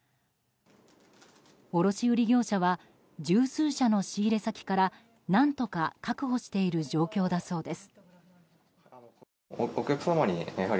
卸売業者は十数社の仕入れ先から何とか確保している状況だそうです。